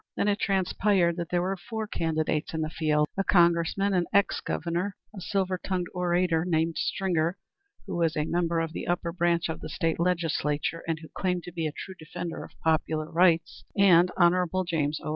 Then it transpired that there were four candidates in the field; a Congressman, an ex Governor, a silver tongued orator named Stringer, who was a member of the upper branch of the State Legislature and who claimed to be a true defender of popular rights, and Hon. James O.